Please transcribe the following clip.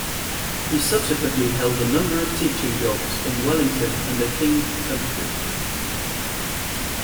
He subsequently held a number of teaching jobs in Wellington and the King Country.